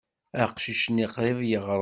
Aqcic-nni qrib yeɣreq.